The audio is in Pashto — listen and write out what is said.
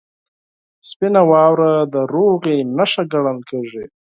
• سپینه واوره د سولې نښه ګڼل کېږي.